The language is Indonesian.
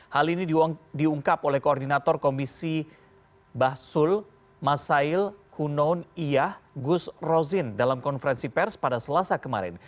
hal ini diungkap oleh koordinator komisi basul masail kunon iyah gus rozin dalam konferensi pers pada selasa kemarin